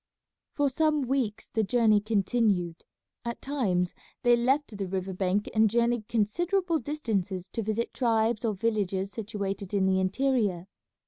For some weeks the journey continued. At times they left the river bank and journeyed considerable distances to visit tribes or villages situated in the interior.